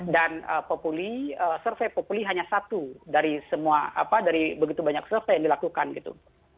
dan survei populi hanya satu dari semua dari begitu banyak survei yang dilakukan gitu